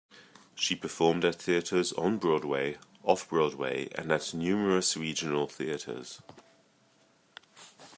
She performed at theatres on Broadway, off-Broadway, and at numerous regional theatres.